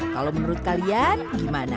kalau menurut kalian gimana